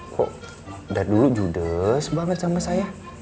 kok dari dulu judes banget sama saya